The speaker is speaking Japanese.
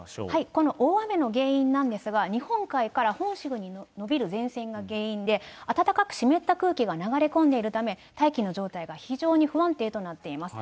この大雨の原因なんですが、日本海から本州に延びる前線が原因で、暖かく湿った空気が流れ込んでいるため、大気の状態が非常に不安定となっています。